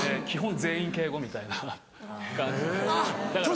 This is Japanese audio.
基本全員敬語みたいな感じで。